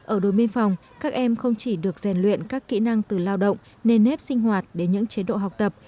ở đồn biên phòng các em không chỉ được rèn luyện các kỹ năng từ lao động nền nếp sinh hoạt đến những chế độ học tập